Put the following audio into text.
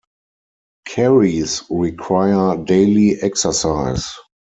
Kerries require daily exercise.